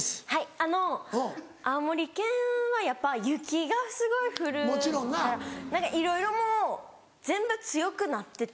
あの青森県はやっぱ雪がすごい降るからいろいろもう全部強くなってて。